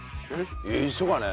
一緒かね？